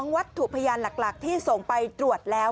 วัตถุพยานหลักที่ส่งไปตรวจแล้ว